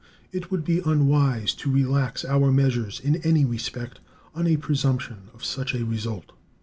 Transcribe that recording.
It would be unwise to relax our measures in any respect on a presumption of such a result.